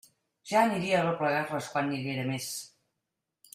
Ja aniria a arreplegar-les quan n'hi haguera més.